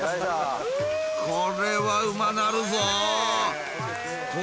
これはうまなるぞ。